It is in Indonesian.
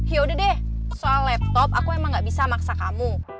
ya udah deh soal laptop aku emang gak bisa maksa kamu